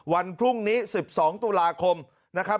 วันพรุ่งนี้๑๒ตุลาคมนะครับ